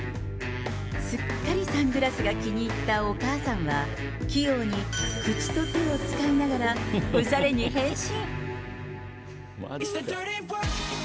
すっかりサングラスが気に入ったお母さんは、器用に口と手を使いながらおしゃれに変身。